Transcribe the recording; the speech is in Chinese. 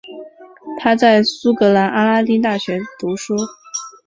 他在苏格兰阿伯丁大学读书。